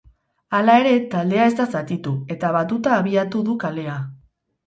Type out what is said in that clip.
Hala ere, taldea ez da zatitu, eta batuta abiatu du kalea.